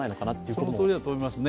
そのとおりだと思いますね。